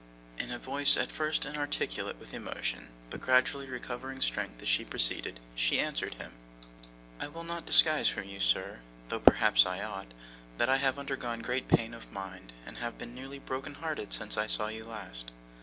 In a voice at first inarticulate with emotion, but gradually recovering strength as she proceeded, she answered him: 'I will not disguise from you, sir though perhaps I ought that I have undergone great pain of mind, and have been nearly broken hearted since I saw you last.